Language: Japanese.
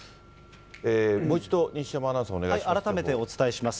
もう一度、西山アナウンサー、お願いします。